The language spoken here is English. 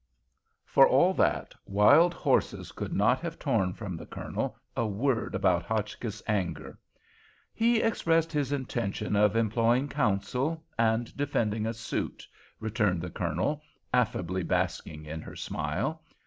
For all that, wild horses could not have torn from the Colonel a word about Hotchkiss's anger. "He expressed his intention of employing counsel—and defending a suit," returned the Colonel, affably basking in her smile.